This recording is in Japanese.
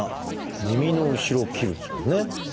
耳の後ろを切るんですもんね。